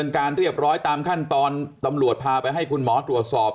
การเรียบร้อยตามขั้นตอนตำรวจพาไปให้คุณหมอตรวจสอบ